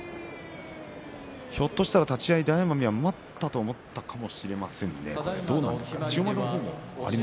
ひょっとしたら立ち合い大奄美はおやっと思ったかもしれませんね。